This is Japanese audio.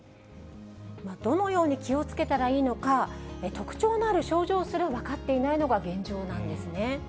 どのように気をつけたらいいのか、特徴のある症状すら分かっていないのが現状なんですね。